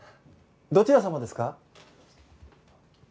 どちら様ですか？